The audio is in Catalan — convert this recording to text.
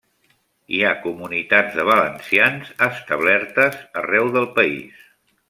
Hi ha comunitats de valencians establertes arreu del país.